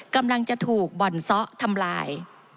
กำลังจะถูกบ่อนซ้อทำลาย